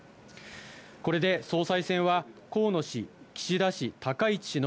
これで総裁選は、河野氏、岸田氏、高市氏の、